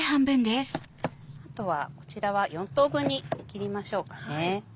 あとはこちらは４等分に切りましょうか。